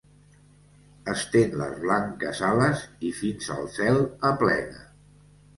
Estén les blanques ales i fins al cel aplega.